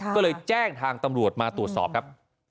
ก็เลยแจ้งทางตำรวจมาตรวจสอบครับ